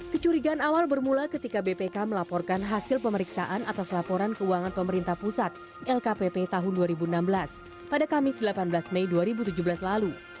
kecurigaan awal bermula ketika bpk melaporkan hasil pemeriksaan atas laporan keuangan pemerintah pusat lkpp tahun dua ribu enam belas pada kamis delapan belas mei dua ribu tujuh belas lalu